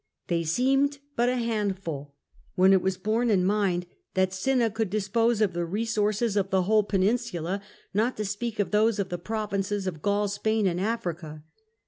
They seemed but a handful, when it was borne in mind that Cinna could dis pose of the resources of the whole peninsula, not to speak of those of the provinces of Gaul, Spain, and Africa.